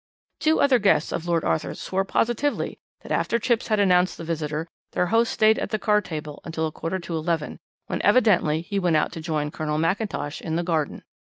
"Two other guests of Lord Arthur's swore positively that after Chipps had announced the visitor, their host stayed at the card table until a quarter to eleven, when evidently he went out to join Colonel McIntosh in the garden.